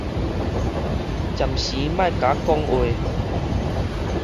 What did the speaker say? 暫時莫佮我講話